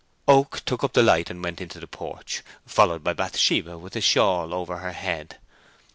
Oak took up the light and went into the porch, followed by Bathsheba with a shawl over her head.